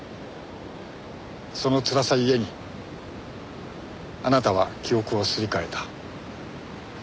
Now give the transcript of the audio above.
そのつらさゆえにあなたは記憶をすり替えた。